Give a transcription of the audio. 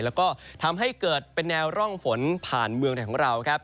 แล้วก็ทำให้เกิดเป็นแนวร่องฝนผ่านเมืองไทยของเราครับ